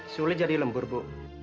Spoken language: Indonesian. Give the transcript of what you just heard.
suli jadi lembur bu